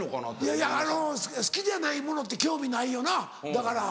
いやいや好きじゃないものって興味ないよなだから。